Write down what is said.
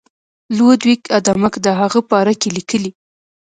لودویک آدمک د هغه پاره کې لیکي.